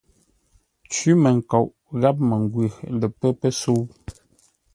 Cwímənkoʼ gháp məngwʉ̂ lə pə́ pəsə̌u.